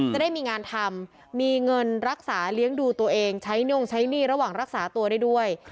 จะได้มีงานทำมีเงินรักษาเลี้ยงดูตัวเองใช้น่งใช้หนี้ระหว่างรักษาตัวได้ด้วย